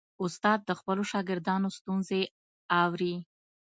استاد د خپلو شاګردانو ستونزې اوري.